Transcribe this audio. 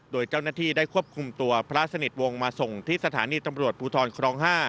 โดยเจ้าหน้าที่ได้ควบคุมตัวพระสนิทวงศ์มาส่งที่สถานีตำรวจภูทรครอง๕